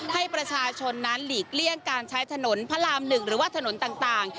ให้ประชาชนนั้นหลีกเลี่ยงการใช้ถนนพระราม๑หรือว่าถนนต่าง